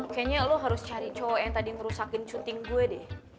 kayaknya lo harus cari cowok yang tadi ngerusakin syuting gue deh